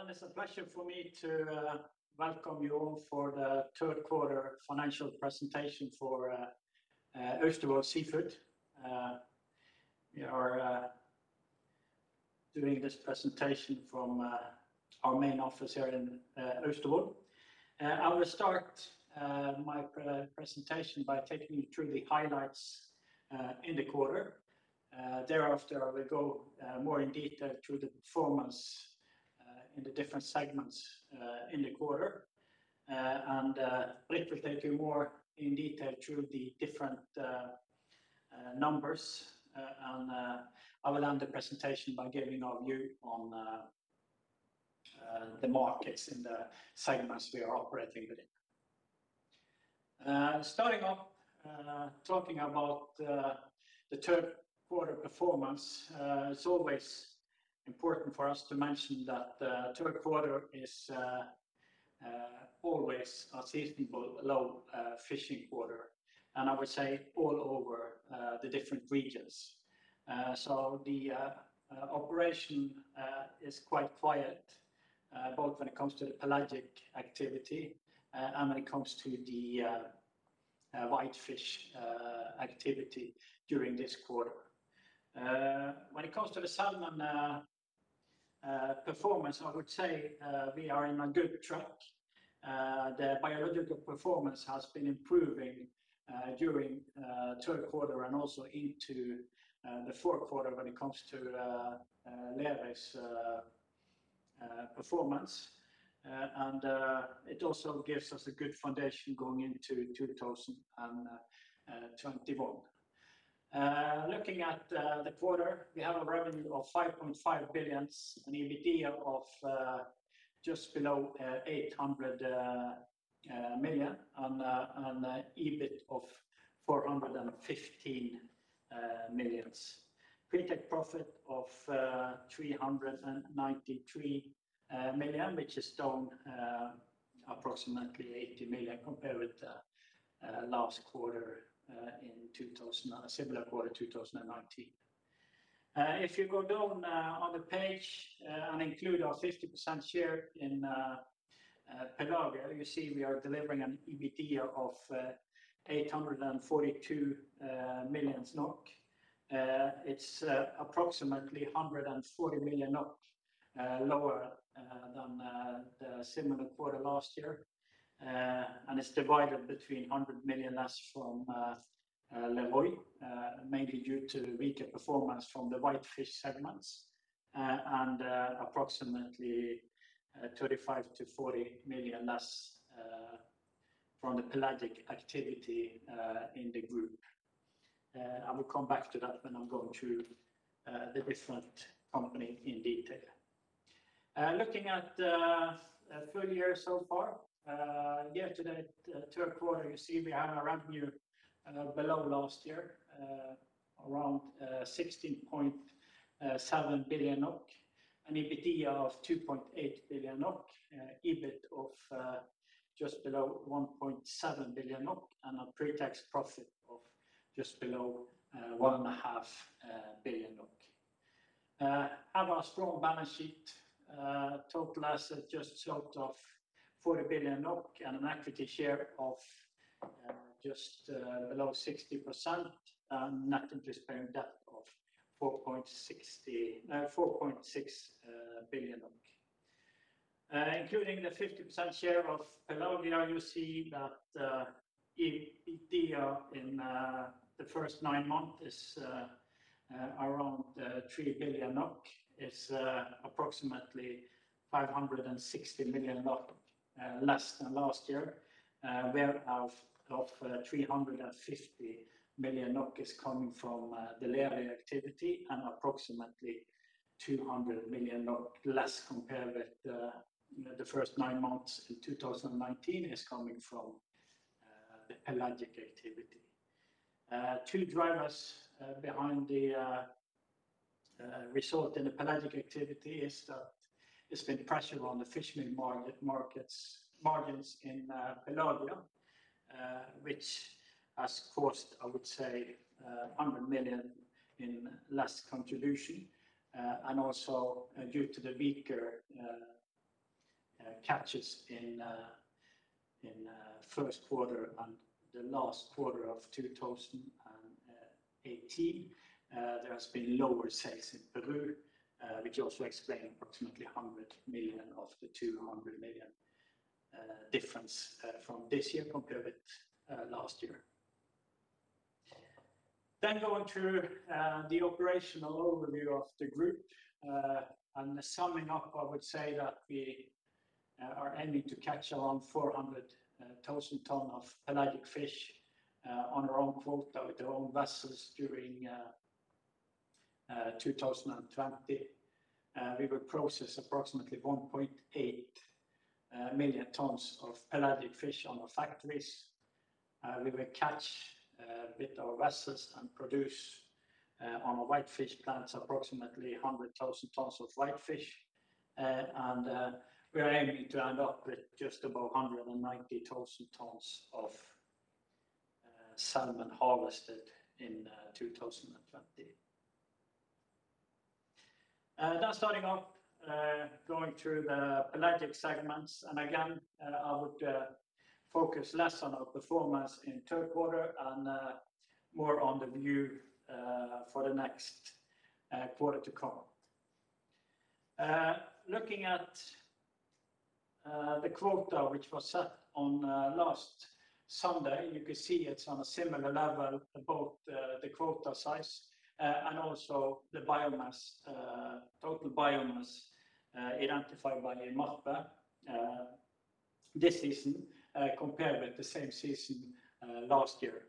Okay. It's a pleasure for me to welcome you all for the third quarter financial presentation for Austevoll Seafood. We are doing this presentation from our main office here in Austevoll. I will start my presentation by taking you through the highlights in the quarter. Thereafter, I will go more in detail through the performance in the different segments in the quarter. Britt will take you more in detail through the different numbers. I will end the presentation by giving our view on the markets in the segments we are operating within. Starting off talking about the third quarter performance, it's always important for us to mention that third quarter is always a seasonally low fishing quarter, and I would say all over the different regions. The operation is quite quiet both when it comes to the pelagic activity and when it comes to the whitefish activity during this quarter. When it comes to the salmon performance, I would say we are in a good track. The biological performance has been improving during third quarter and also into the fourth quarter when it comes to Lerøy's performance. It also gives us a good foundation going into 2021. Looking at the quarter, we have a revenue of 5.5 billion, an EBITDA of just below 800 million and an EBIT of 415 million. Pre-tax profit of 393 million, which is down approximately 80 million compared with last quarter in a similar quarter 2019. If you go down on the page and include our 50% share in Pelagia, you see we are delivering an EBITDA of 842 million NOK. It's approximately 140 million NOK lower than the similar quarter last year. It's divided between 100 million less from Lerøy mainly due to weaker performance from the whitefish segments and approximately 35 million-40 million less from the pelagic activity in the group. I will come back to that when I'm going through the different company in detail. Looking at the full year so far. Year to date third quarter, you see we have a revenue below last year around 16.7 billion NOK, an EBITDA of 2.8 billion NOK, EBIT of just below 1.7 billion NOK and a pre-tax profit of just below one and a half billion NOK. Have a strong balance sheet. Total assets just short of 40 billion NOK and an equity share of just below 60% and net interest-bearing debt of NOK 4.6 billion. Including the 50% share of Pelagia, you see that EBITDA in the first nine months is around 3 billion NOK. It's approximately 560 million NOK less than last year. Whereof 350 million NOK is coming from the Lerøy activity and approximately 200 million NOK less compared with the first nine months in 2019 is coming from the pelagic activity. Two drivers behind the result in the pelagic activity is that there's been pressure on the fishmeal margins in Pelagia which has cost, I would say, 100 million in less contribution. Also due to the weaker catches in first quarter and the last quarter of 2018, there has been lower sales in Peru which also explain approximately 100 million of the 200 million difference from this year compared with last year. Going through the operational overview of the group. Summing up, I would say that we are aiming to catch around 400,000 tons of pelagic fish on our own quota with our own vessels during 2020. We will process approximately 1.8 million tons of pelagic fish on our factories. We will catch with our vessels and produce on our whitefish plants approximately 100,000 tons of whitefish. We are aiming to end up with just above 190,000 tons of salmon harvested in 2020. Starting off going through the pelagic segments, again, I would focus less on our performance in third quarter and more on the view for the next quarter to come. Looking at the quota which was set on last Sunday, you can see it's on a similar level, both the quota size and also the total biomass identified by IMARPE this season compared with the same season last year.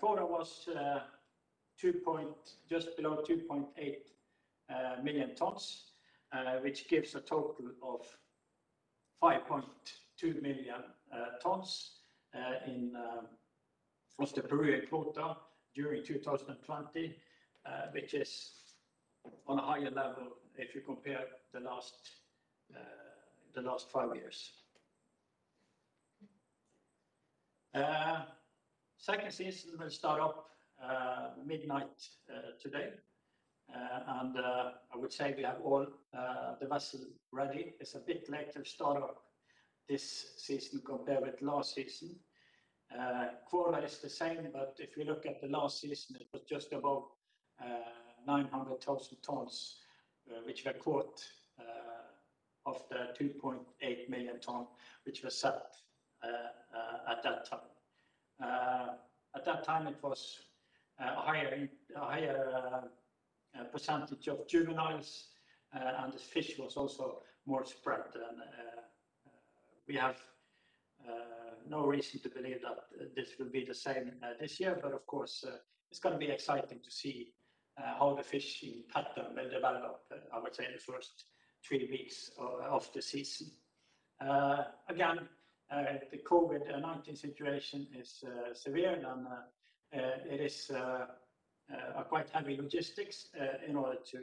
Quota was just below 2.8 million tons, which gives a total of 5.2 million tons from the Peru quota during 2020, which is on a higher level if you compare the last five years. Second season will start up midnight today. I would say we have all the vessels ready. It's a bit later start up this season compared with last season. Quota is the same. If you look at the last season, it was just above 900,000 tons, which were caught of the 2.8 million tons, which was set at that time. At that time, it was a higher percentage of juveniles. The fish was also more spread. We have no reason to believe that this will be the same this year. Of course, it's going to be exciting to see how the fishing pattern will develop, I would say, in the first three weeks of the season. The COVID-19 situation is severe, and it is a quite heavy logistics in order to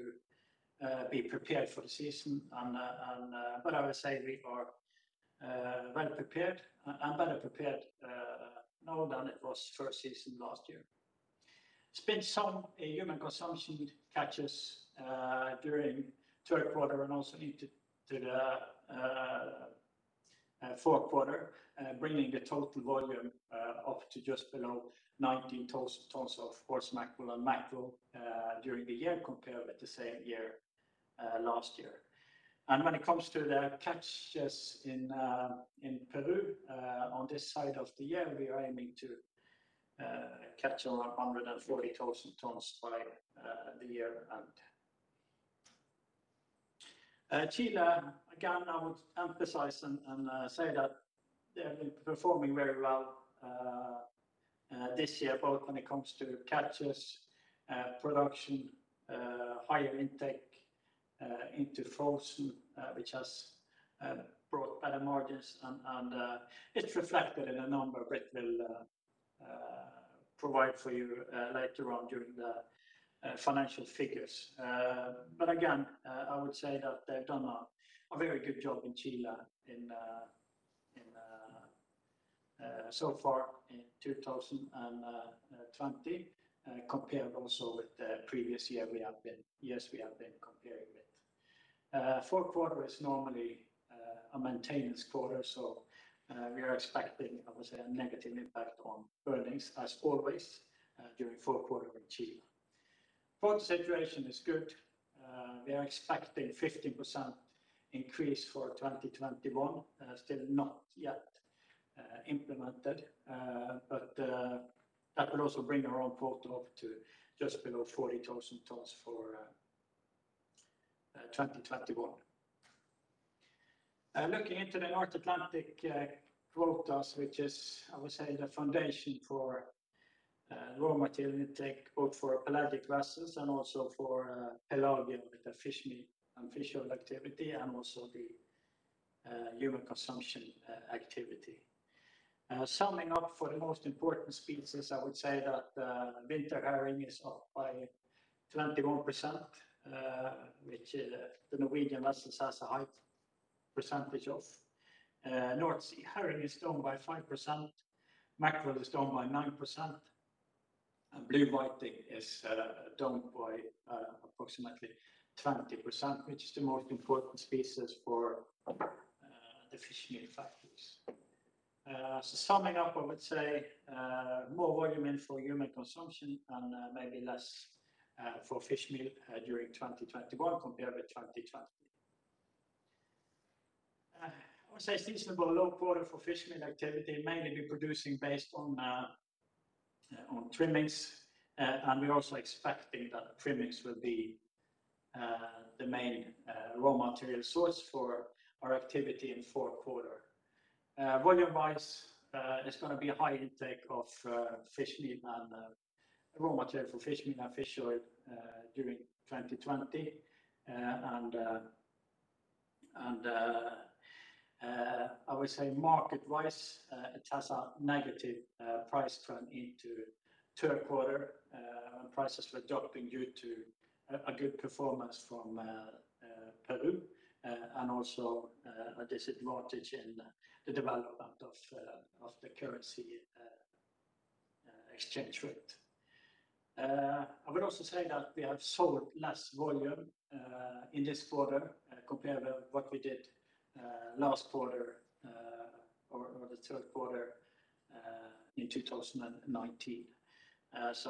be prepared for the season. I would say we are well prepared and better prepared now than it was first season last year. It's been some human consumption catches during third quarter and also into the fourth quarter, bringing the total volume up to just below 19 tons of horse mackerel and mackerel during the year compared with the same year last year. When it comes to the catches in Peru, on this side of the year, we are aiming to catch around 140,000 tons by the year end. Chile, again, I would emphasize and say that they've been performing very well this year, both when it comes to catches, production, higher intake into frozen, which has brought better margins, and it's reflected in a number Britt will provide for you later on during the financial figures. Again, I would say that they've done a very good job in Chile so far in 2020 compared also with the previous years we have been comparing with. fourth quarter is normally a maintenance quarter, so we are expecting, I would say, a negative impact on earnings as always during fourth quarter in Chile. Quota situation is good. We are expecting 15% increase for 2021, still not yet implemented. That will also bring our own quota up to just below 40,000 tons for 2021. Looking into the North Atlantic quotas, which is, I would say, the foundation for raw material intake, both for pelagic vessels and also for Pelagia with the fishmeal and fish oil activity, and also the human consumption activity. Summing up for the most important species, I would say that winter herring is up by 21%, which the Norwegian vessels has a high percentage of. North Sea herring is down by 5%, mackerel is down by 9%, and blue whiting is down by approximately 20%, which is the most important species for the fishmeal factories. Summing up, I would say more volume in for human consumption and maybe less for fishmeal during 2021 compared with 2020. I would say it's reasonable low quarter for fishmeal activity, mainly we're producing based on trimmings. We're also expecting that trimmings will be the main raw material source for our activity in fourth quarter. Volume-wise, it's going to be a high intake of raw material for fishmeal and fish oil during 2020. I would say market-wise, it has a negative price trend into third quarter. Prices were dropping due to a good performance from Peru and also a disadvantage in the development of the currency exchange rate. I would also say that we have sold less volume in this quarter compared with what we did last quarter or the third quarter in 2019. It's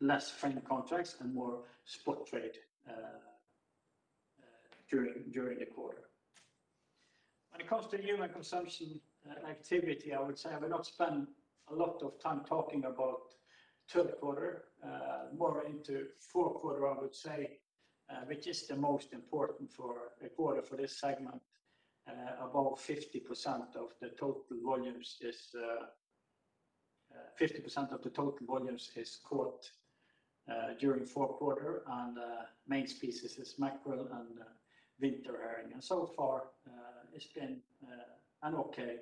less frame contracts and more spot trade during the quarter. When it comes to human consumption activity, I would say I will not spend a lot of time talking about third quarter. More into fourth quarter, I would say, which is the most important quarter for this segment. About 50% of the total volumes is caught during fourth quarter and the main species is mackerel and winter herring. So far, it's been an okay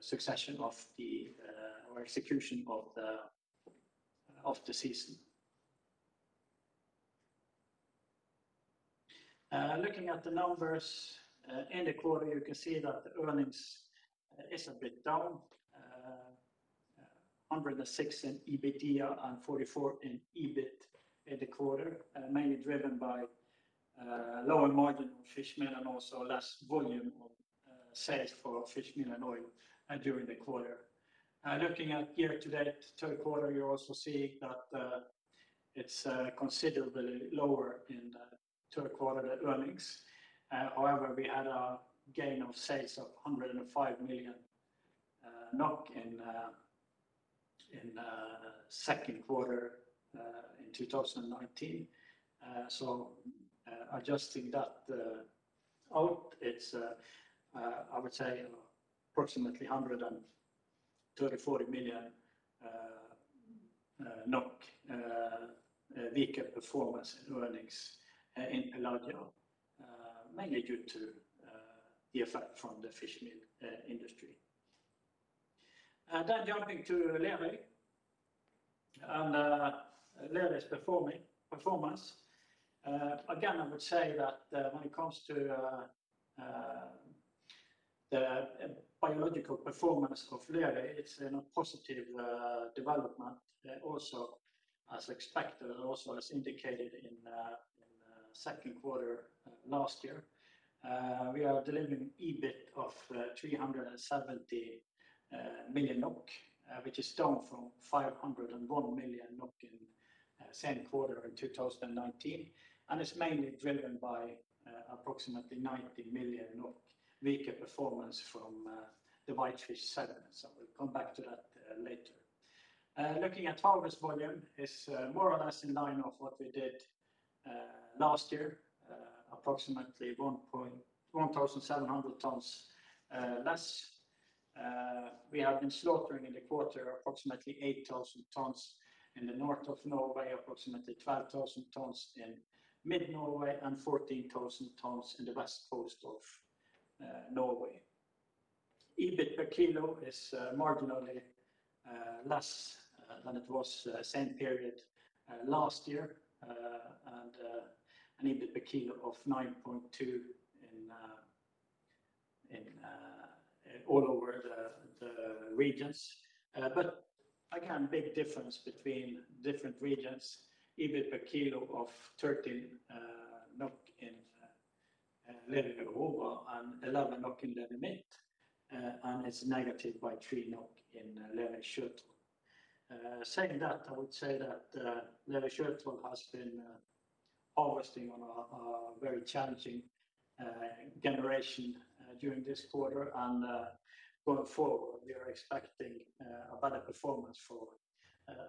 succession of the execution of the season. Looking at the numbers in the quarter, you can see that earnings is a bit down. 106 in EBITDA and 44 in EBIT in the quarter, mainly driven by lower margin on fishmeal and also less volume of sales for fishmeal and oil during the quarter. Looking at year to date third quarter, you also see that it's considerably lower in the third quarter, the earnings. However, we had a gain of sales of 105 million NOK in the second quarter in 2019. Adjusting that out, it's approximately 134 million NOK weaker performance earnings in Pelagia, mainly due to the effect from the fishmeal industry. Jumping to Lerøy and Lerøy's performance. Again, I would say that when it comes to the biological performance of Lerøy, it's in a positive development, also as expected and also as indicated in the second quarter last year. We are delivering EBIT of 370 million NOK which is down from 501 million NOK in the same quarter in 2019. It's mainly driven by approximately 90 million weaker performance from the whitefish segment. We'll come back to that later. Looking at harvest volume, it's more or less in line of what we did last year approximately 1,700 tons less. We have been slaughtering in the quarter approximately 8,000 tons in the north of Norway, approximately 12,000 tons in mid Norway, and 14,000 tons in the west coast of Norway. EBIT per kilo is marginally less than it was same period last year and an EBIT per kilo of 9.2 all over the regions. Again, big difference between different regions. EBIT per kilo of 13 NOK in Lerøy Aurora and 11 NOK in Lerøy Midt and it's negative by 3 NOK in Lerøy Sjøtroll. Saying that, I would say that Lerøy Sjøtroll has been harvesting on a very challenging generation during this quarter. Going forward, we are expecting a better performance for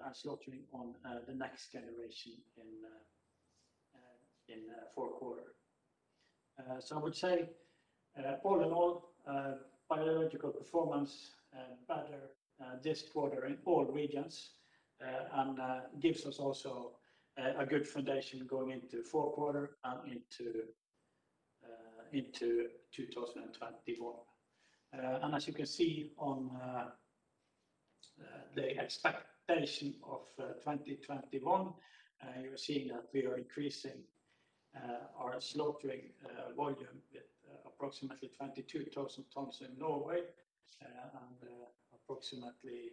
our slaughtering on the next generation in fourth quarter. I would say all in all, biological performance better this quarter in all regions and gives us also a good foundation going into fourth quarter and into 2021. As you can see on the expectation of 2021, you are seeing that we are increasing our slaughtering volume with approximately 22,000 tons in Norway and approximately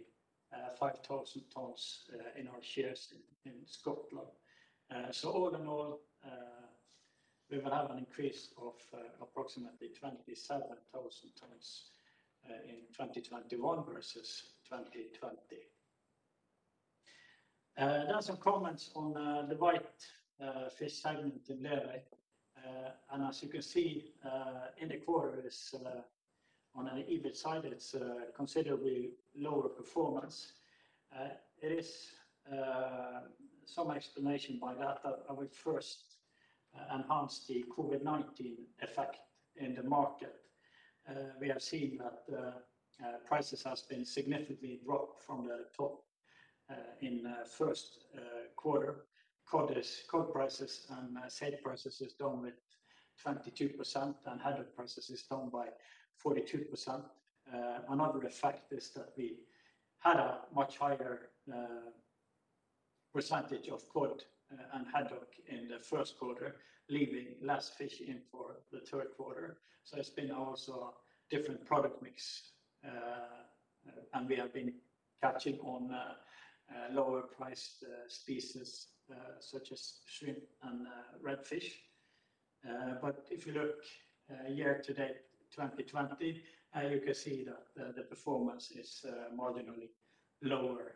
5,000 tons in our shares in Scotland. All in all, we will have an increase of approximately 27,000 tons in 2021 versus 2020. Some comments on the whitefish segment in Lerøy. As you can see in the quarter on an EBIT side, it's a considerably lower performance. There is some explanation by that. I would first enhance the COVID-19 effect in the market. We have seen that prices has been significantly dropped from the top in first quarter. Cod prices and saithe prices is down with 22%, and haddock prices is down by 42%. Another effect is that we had a much higher percentage of cod and haddock in the first quarter, leaving less fish in for the third quarter. It's been also different product mix, and we have been catching on lower priced species such as shrimp and redfish. If you look year to date 2020, you can see that the performance is more than only lower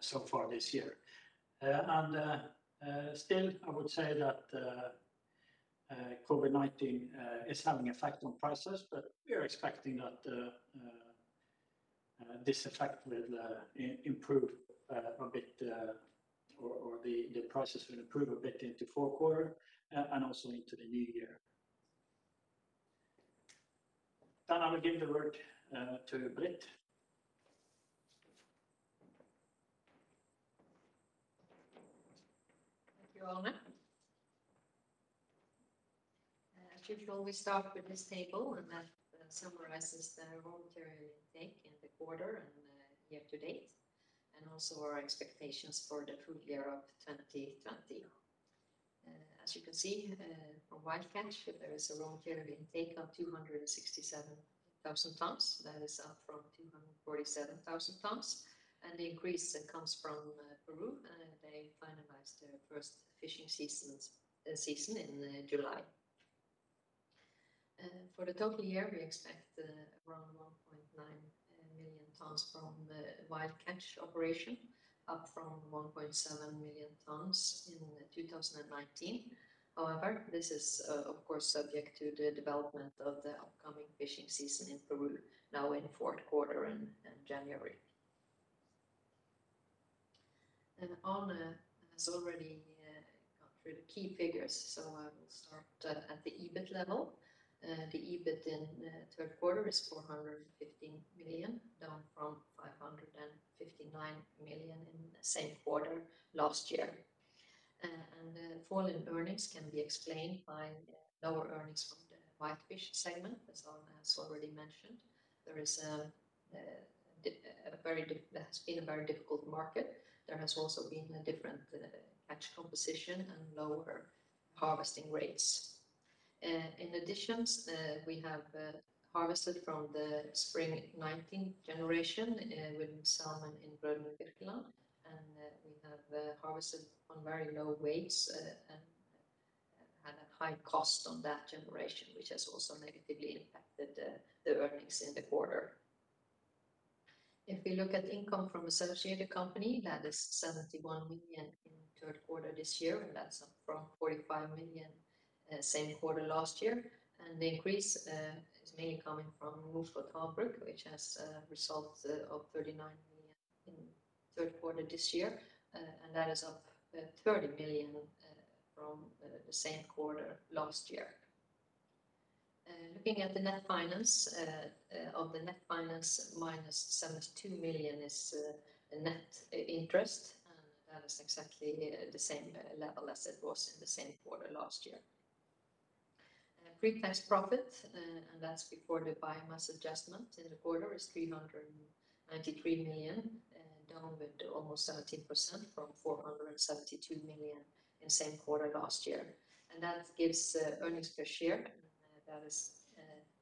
so far this year. Still, I would say that COVID-19 is having effect on prices, but we are expecting that this effect will improve a bit, or the prices will improve a bit into fourth quarter and also into the new year. I will give the word to Britt. Thank you, Arne. As usual, we start with this table that summarizes the raw material intake in the quarter and year to date, and also our expectations for the full year of 2020. As you can see from wild catch, there is a raw material intake of 267,000 tons. That is up from 247,000 tons. The increase comes from Peru. They finalized their first fishing season in July. For the total year, we expect around 1.9 million tons from the wild catch operation, up from 1.7 million tons in 2019. However, this is of course subject to the development of the upcoming fishing season in Peru now in fourth quarter and January. Arne has already gone through the key figures, so I will start at the EBIT level. The EBIT in third quarter is 415 million, down from 559 million in the same quarter last year. The fall in earnings can be explained by lower earnings from the whitefish segment, as Arne has already mentioned. That has been a very difficult market. There has also been a different catch composition and lower harvesting rates. In addition, we have harvested from the spring 2019 generation with salmon in Sjøtroll, and we have harvested on very low weights and had a high cost on that generation, which has also negatively impacted the earnings in the quarter. If we look at income from associated company, that is 71 million in third quarter this year, and that's up from 45 million same quarter last year. The increase is mainly coming from Norskott Havbruk which has results of 39 million in third quarter this year. That is up 30 million from the same quarter last year. Looking at the net finance. Of the net finance, minus 72 million is the net interest. That is exactly the same level as it was in the same quarter last year. Pre-tax profit, that is before the biomass adjustment in the quarter, is 393 million, down with almost 17% from 472 million in same quarter last year. That gives earnings per share. That is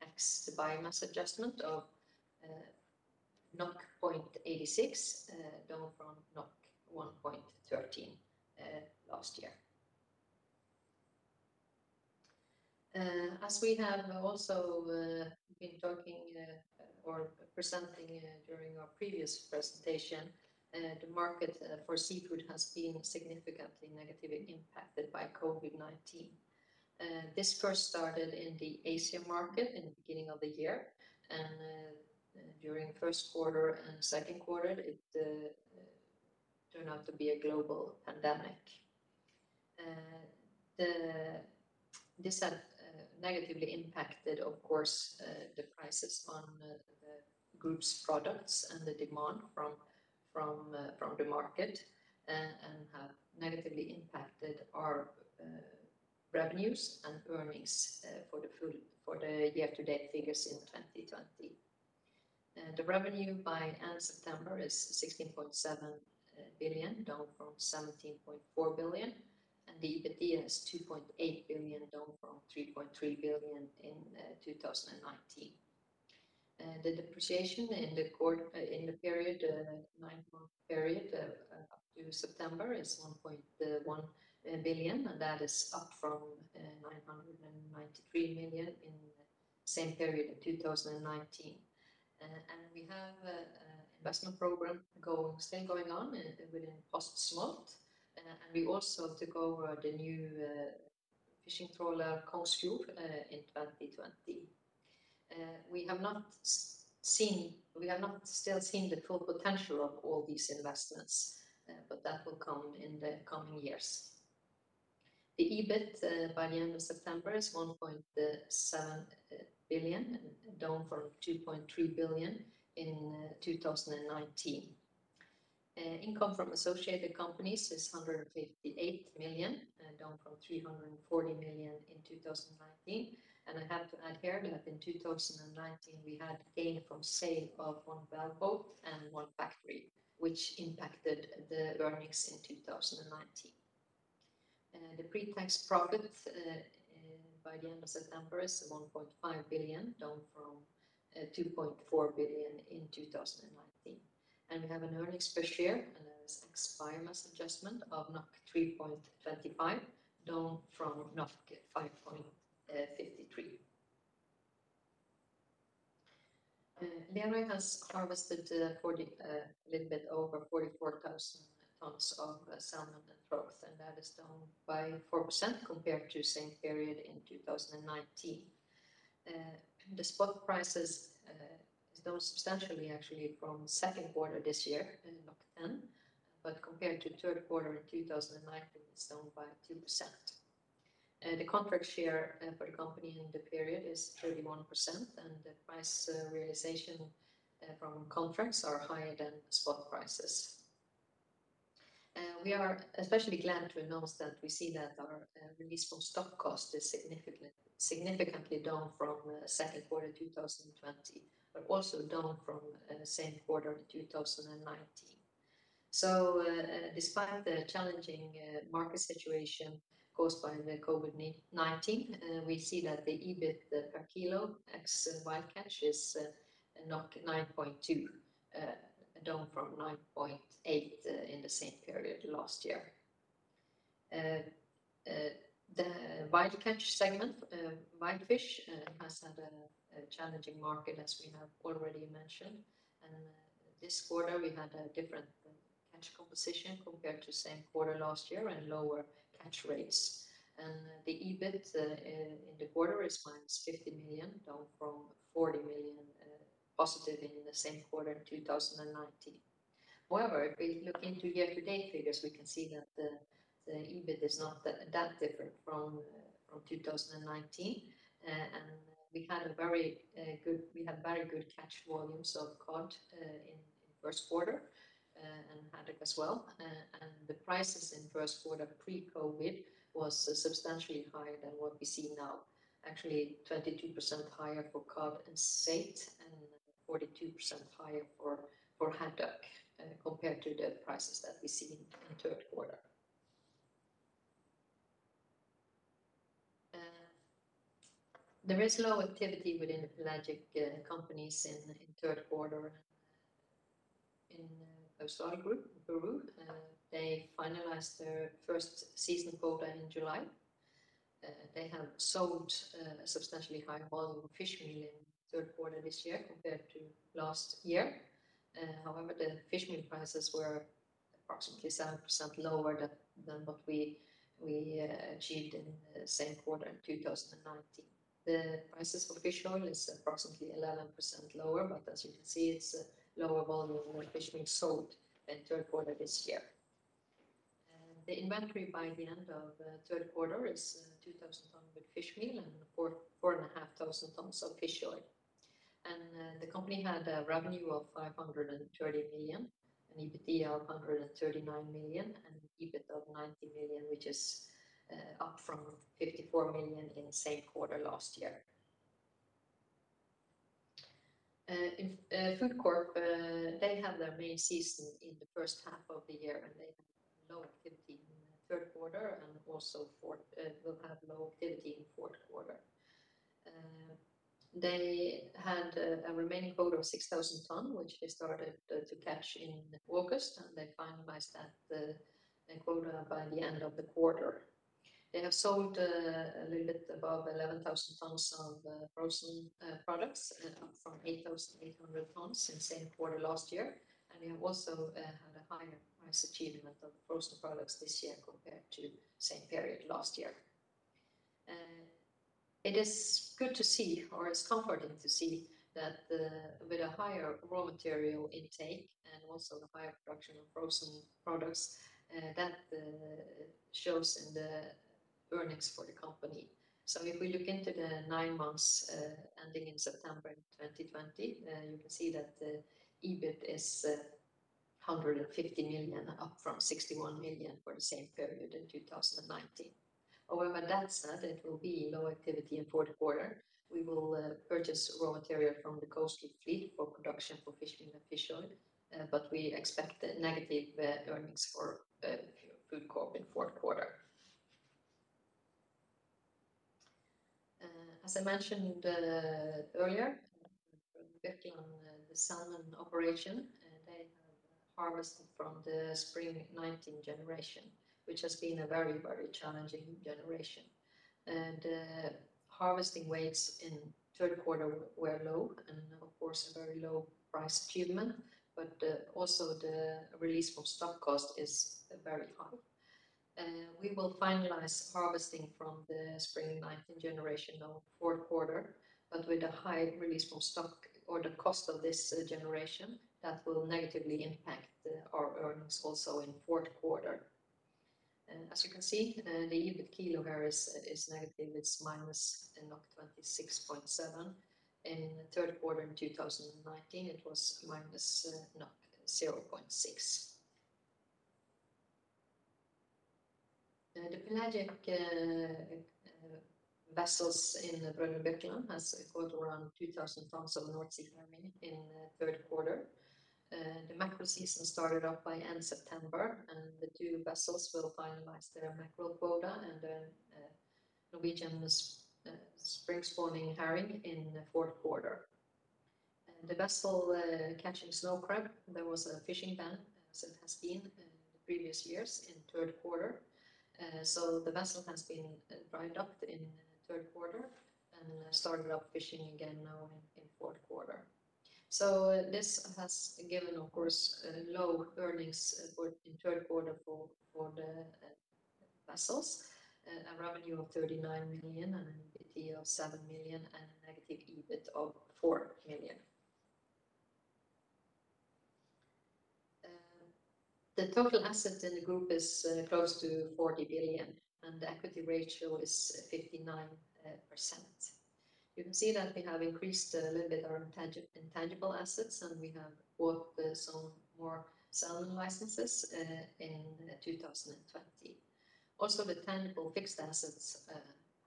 ex the biomass adjustment of 0.86, down from 1.13 last year. As we have also been talking or presenting during our previous presentation, the market for seafood has been significantly negatively impacted by COVID-19. This first started in the Asia market in the beginning of the year. During first quarter and second quarter, it turned out to be a global pandemic. This has negatively impacted, of course, the prices on the group's products and the demand from the market and have negatively impacted our revenues and earnings for the year to date figures in 2020. The revenue by end of September is 16.7 billion, down from 17.4 billion. The EBITDA is 2.8 billion, down from 3.3 billion in 2019. The depreciation in the nine-month period up to September is 1.1 billion, that is up from 993 million in the same period in 2019. We have investment program still going on within post-smolt. We also took over the new fishing trawler Kongsfjord in 2020. We have not still seen the full potential of all these investments but that will come in the coming years. The EBIT by the end of September is 1.7 billion, down from 2.3 billion in 2019. Income from associated companies is 158 million, down from 340 million in 2019. I have to add here that in 2019 we had gain from sale of one wellboat and one factory, which impacted the earnings in 2019. The pre-tax profit by the end of September is 1.5 billion, down from 2.4 billion in 2019. We have an earnings per share as ex-fair value adjustment of 3.25, down from 5.53. Lerøy has harvested a little bit over 44,000 tonnes of salmon and trout, that is down by 4% compared to the same period in 2019. The spot prices is down substantially actually from Q2 this year, 10, compared to Q3 in 2019 it's down by 2%. The contract share for the company in the period is 31%, the price realization from contracts are higher than spot prices. We are especially glad to announce that we see that our release from stock cost is significantly down from Q2 2020, but also down from same quarter in 2019. Despite the challenging market situation caused by the COVID-19, we see that the EBIT per kilo Ex Wild Catch is 9.2, down from 9.8 in the same period last year. The Wild Catch segment, Wild Fish, has had a challenging market as we have already mentioned. This quarter we had a different catch composition compared to same quarter last year and lower catch rates. The EBIT in the quarter is minus 50 million, down from 40 million positive in the same quarter in 2019. However, if we look into year-to-date figures, we can see that the EBIT is not that different from 2019. We had very good catch volumes of cod in first quarter and haddock as well. The prices in first quarter pre-COVID was substantially higher than what we see now. Actually 22% higher for cod and saithe and 42% higher for haddock compared to the prices that we see in third quarter. There is low activity within the pelagic companies in third quarter. In Austevoll Seafood Group, Peru, they finalized their first season quota in July. They have sold a substantially higher volume of fishmeal in Q3 this year compared to last year. However, the fishmeal prices were approximately 7% lower than what we achieved in the same quarter in 2019. The prices for fish oil is approximately 11% lower, but as you can see, it's a lower volume of fishmeal sold in Q3 this year. The inventory by the end of Q3 is 2,000 tons with fishmeal and 4,500 tons of fish oil. The company had a revenue of 530 million, an EBITDA of 139 million and an EBIT of 90 million, which is up from 54 million in the same quarter last year. In FoodCorp, they have their main season in the first half of the year, and they have low activity in Q3 and will have low activity in Q4. They had a remaining quota of 6,000 tons, which they started to catch in August, and they finalized that quota by the end of the quarter. They have sold a little bit above 11,000 tons of frozen products, up from 8,800 tons in same quarter last year. They have also had a higher price achievement of frozen products this year compared to same period last year. It is good to see, or it's comforting to see that with a higher raw material intake and also the higher production of frozen products, that shows in the earnings for the company. If we look into the nine months ending in September 2020, you can see that the EBIT is 150 million, up from 61 million for the same period in 2019. However, that said, it will be low activity in Q4. We will purchase raw material from the coastal fleet for production for fishmeal and fish oil. We expect negative earnings for FoodCorp in Q4. As I mentioned earlier, focusing on the salmon operation, they have harvested from the Spring 19 generation, which has been a very challenging generation. Harvesting weights in Q3 were low and of course a very low price achievement. Also the release from stock cost is very high. We will finalize harvesting from the Spring 2019 generation of Q4, but with a high release from stock or the cost of this generation, that will negatively impact our earnings also in Q4. As you can see, the EBIT kilo here is negative. It's minus 26.7. In the third quarter in 2019, it was minus 0.6. The pelagic vessels in Brødrene Birkeland has caught around 2,000 tons of North Sea herring in the third quarter. The mackerel season started up by end September, and the two vessels will finalize their mackerel quota and then Norwegian spring-spawning herring in the fourth quarter. The vessel catching snow crab, there was a fishing ban, as it has been in the previous years in the third quarter. The vessel has been dried up in the third quarter and started up fishing again now in the fourth quarter. This has given, of course, low earnings in the third quarter for the vessels. A revenue of 39 million, an EBITDA of 7 million, and a negative EBIT of 4 million. The total assets in the group is close to 40 billion, and the equity ratio is 59%. You can see that we have increased a little bit our intangible assets, and we have bought some more salmon licenses in 2020. The tangible fixed assets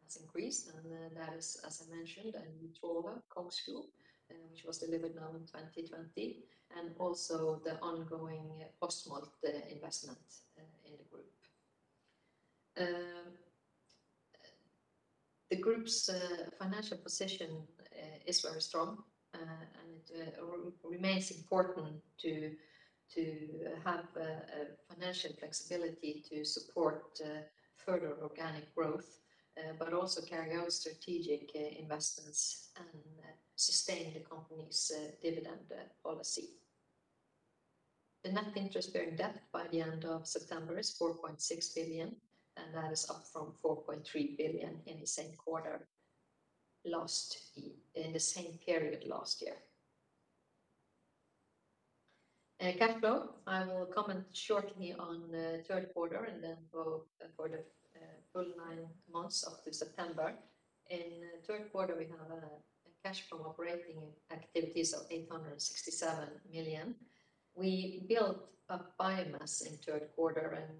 has increased, and that is, as I mentioned, a new trawler, Kongsfjord, which was delivered now in 2020, and also the ongoing post-smolt investment in the group. The group's financial position is very strong, and it remains important to have financial flexibility to support further organic growth, but also carry out strategic investments and sustain the company's dividend policy. The net interest-bearing debt by the end of September is 4.6 billion, and that is up from 4.3 billion in the same period last year. Cash flow. I will comment shortly on the third quarter and then for the full nine months up to September. In the third quarter, we have a cash from operating activities of 867 million. We built up biomass in the third quarter, and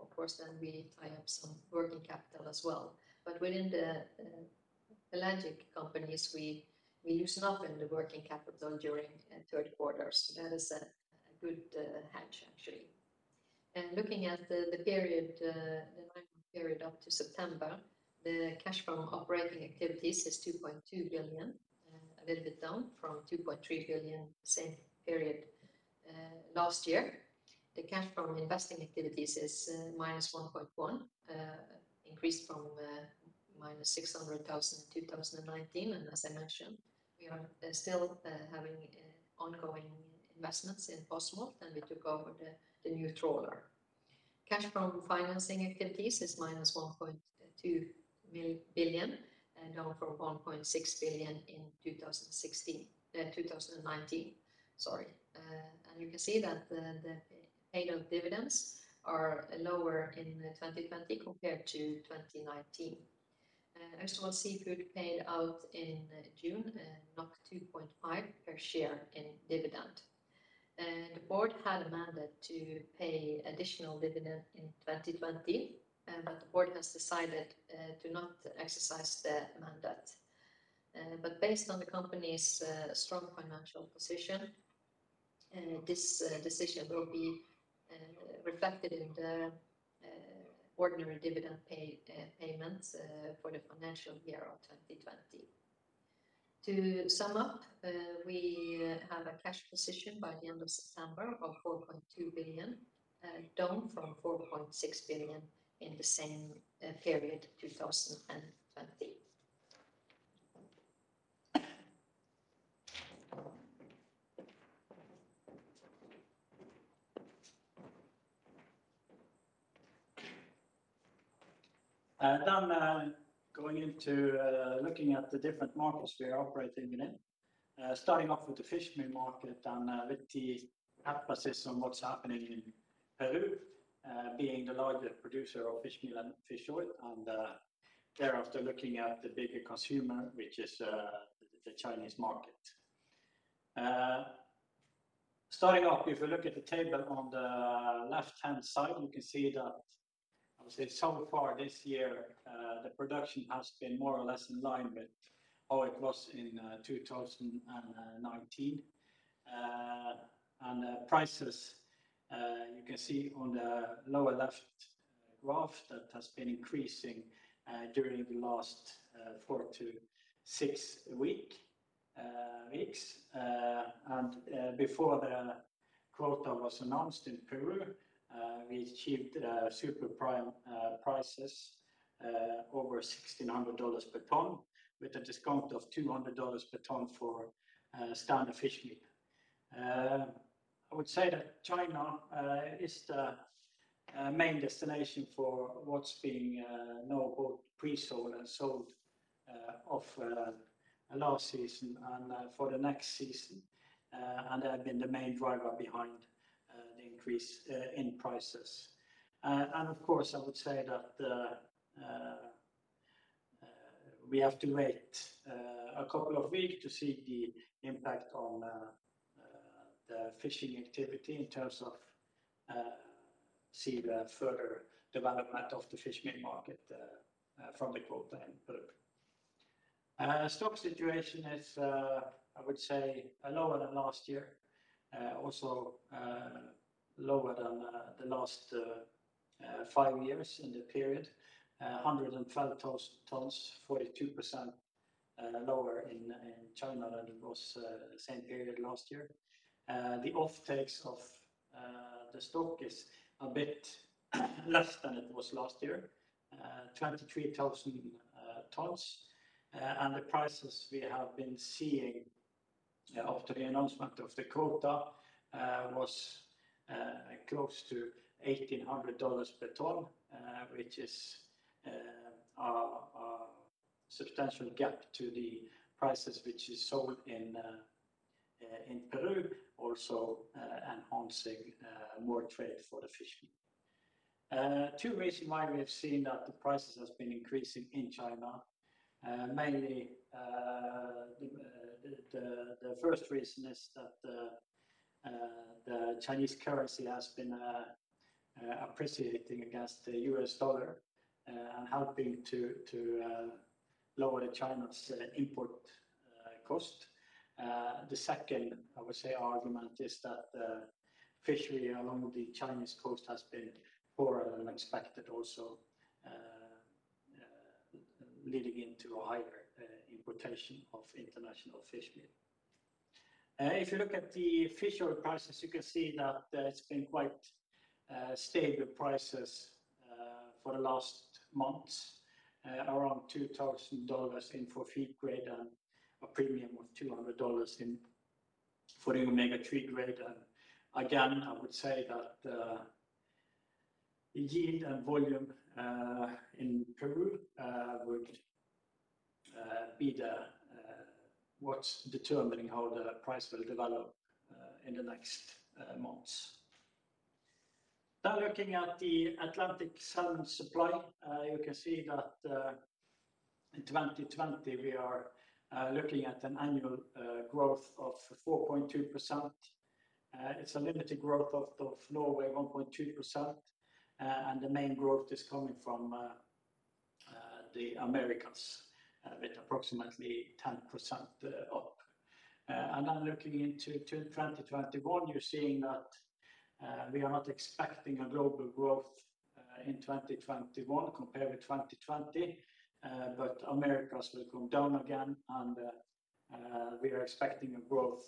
of course then we tie up some working capital as well. Within the pelagic companies, we loosen up in the working capital during third quarters. That is a good hedge actually. Looking at the nine-month period up to September, the cash from operating activities is 2.2 billion, a little bit down from 2.3 billion same period last year. The cash from investing activities is -1.1 billion, increased from 600,000 in 2019. As I mentioned, we are still having ongoing investments in post-smolt, and we took over the new trawler. Cash from financing activities is -1.2 billion, down from 1.6 billion in 2019. You can see that the payout dividends are lower in 2020 compared to 2019. Austevoll Seafood paid out in June 2.5 per share in dividend. The board had a mandate to pay additional dividend in 2020, but the board has decided to not exercise the mandate. Based on the company's strong financial position, this decision will be reflected in the ordinary dividend payments for the financial year of 2020. To sum up, we have a cash position by the end of September of 4.2 billion, down from 4.6 billion in the same period 2020. Then going into looking at the different markets we are operating in. Starting off with the fishmeal market and with the emphasis on what's happening in Peru, being the largest producer of fishmeal and fish oil, and thereafter looking at the bigger consumer, which is the Chinese market. Starting off, if you look at the table on the left-hand side, you can see that so far this year the production has been more or less in line with how it was in 2019. Prices, you can see on the lower left graph that has been increasing during the last four to six weeks. Before the quota was announced in Peru, we achieved super prime prices over $1,600 per ton, with a discount of $200 per ton for standard fishmeal. I would say that China is the main destination for what's being now both pre-sold and sold of last season and for the next season, and have been the main driver behind the increase in prices. Of course, I would say that we have to wait a couple of weeks to see the impact on the fishing activity in terms of seeing the further development of the fishmeal market from the quota in Peru. Stock situation is, I would say, lower than last year, also lower than the last five years in the period. 112,000 tons, 42% lower in China than it was same period last year. The offtakes of the stock is a bit less than it was last year, 23,000 tons. The prices we have been seeing after the announcement of the quota was close to $1,800 per ton, which is a substantial gap to the prices which is sold in Peru, also enhancing more trade for the fishmeal. Two reasons why we have seen that the prices has been increasing in China. Mainly, the first reason is that the Chinese currency has been appreciating against the US dollar and helping to lower China's import cost. The second, I would say, argument is that the fishery along the Chinese coast has been poorer than expected also, leading into a higher importation of international fishmeal. If you look at the fish oil prices, you can see that it's been quite stable prices for the last months, around $2,000 for feed grade and a premium of $200 for the omega-3 grade. I would say that the yield and volume in Peru would be what's determining how the price will develop in the next months. Looking at the Atlantic salmon supply. You can see that in 2020, we are looking at an annual growth of 4.2%. It's a limited growth out of Norway, 1.2%, and the main growth is coming from the Americas with approximately 10% up. Now looking into 2021, you're seeing that we are not expecting a global growth in 2021 compared with 2020. Americas will come down again, and we are expecting a growth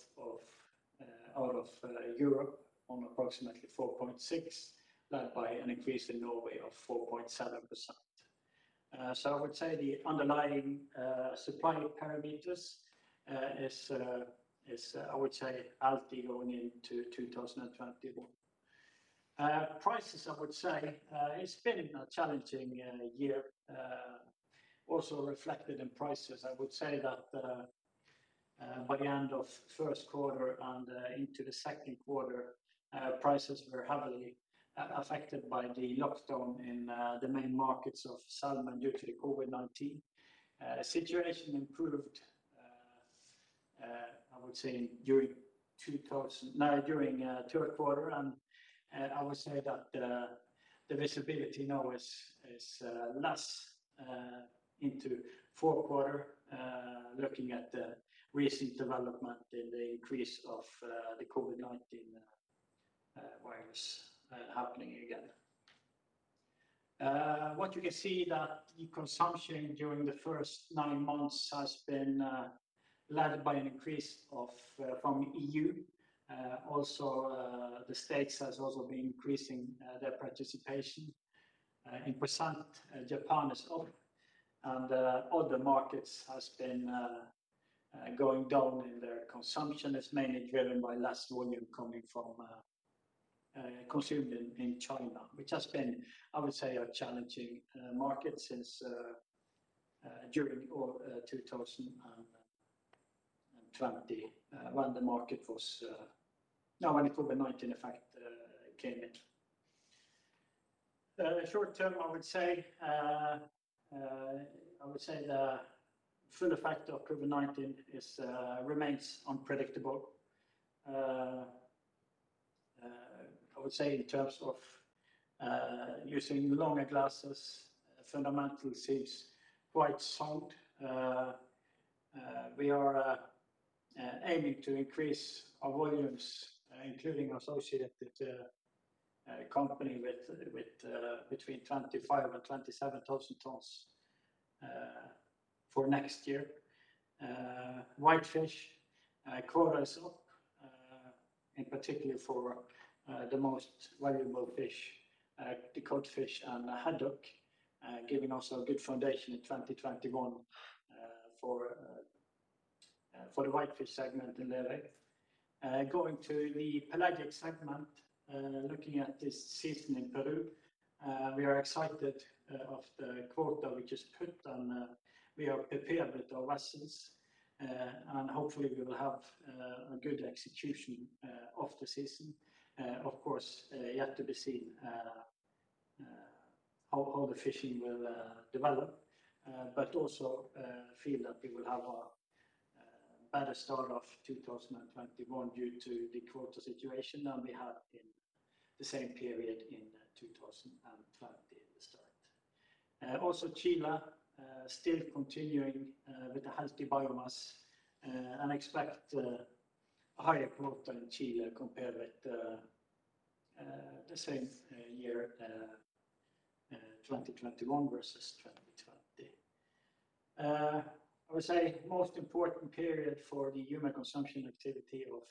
out of Europe on approximately 4.6%, led by an increase in Norway of 4.7%. I would say the underlying supply parameters is healthy going into 2021. Prices, I would say, it's been a challenging year, also reflected in prices. I would say that by the end of first quarter and into the second quarter, prices were heavily affected by the lockdown in the main markets of salmon due to the COVID-19. Situation improved, I would say, during third quarter, and I would say that the visibility now is less into fourth quarter, looking at the recent development in the increase of the COVID-19 virus happening again. What you can see that the consumption during the first nine months has been led by an increase from EU. Also, the States has also been increasing their participation. In percent, Japan is up, and other markets has been going down in their consumption. It's mainly driven by less volume consumed in China, which has been, I would say, a challenging market during 2020 when the COVID-19 effect came in. Short term, I would say the full effect of COVID-19 remains unpredictable. I would say in terms of using longer glasses, fundamental seems quite sound. We are aiming to increase our volumes, including associated company between 25,000 and 27,000 tons for next year. Whitefish quotas up, in particular for the most valuable fish, the codfish and haddock, giving also a good foundation in 2021 for the whitefish segment in Group. Looking at this season in Peru, we are excited of the quota we just put. We are prepared with our vessels. Hopefully we will have a good execution of the season. Of course, yet to be seen how the fishing will develop. Also feel that we will have a better start of 2021 due to the quota situation than we had in the same period in 2020 at the start. Chile, still continuing with the healthy biomass, and expect a higher quota in Chile compared with the same year, 2021 versus 2020. I would say most important period for the human consumption activity of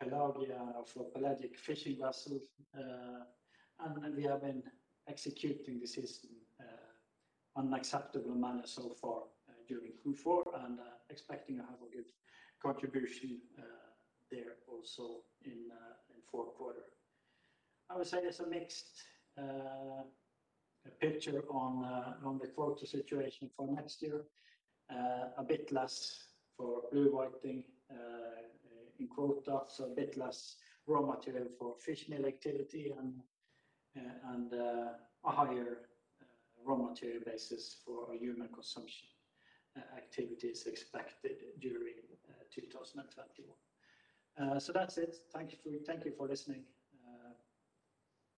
Pelagia, of pelagic fishing vessels, and we have been executing the season on an acceptable manner so far during Q4, and expecting to have a good contribution there also in fourth quarter. I would say it's a mixed picture on the quota situation for next year. A bit less for blue whiting in quota, so a bit less raw material for fishmeal activity, and a higher raw material basis for human consumption activities expected during 2021. That's it. Thank you for listening.